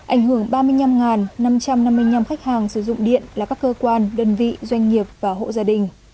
ảnh hưởng ba mươi năm năm trăm năm mươi năm khách hàng sử dụng điện là các cơ quan đơn vị doanh nghiệp và hộ gia đình